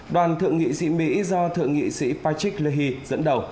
đoàn thượng nghị sĩ mỹ do thượng nghị sĩ patrick leahy dẫn đầu